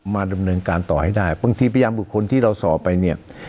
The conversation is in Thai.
มาดำเนินการต่อให้ได้บางทีพยานบุคคลที่เราสอบไปเนี่ย